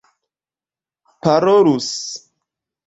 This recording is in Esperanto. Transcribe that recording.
parolus